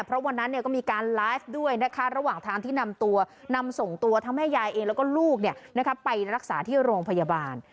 เพราะวันนั้นก็มีการไลฟ์ด้วยนะคะระหว่างทางที่นำตัวนำส่งตัวทั้งแม่ยายเองแล้วก็ลูกไปรักษาที่โรงพยาบาล